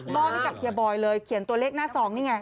มอบให้กับเฮียบอยเลยเขียนตัวเลขหน้าซองนี่ไง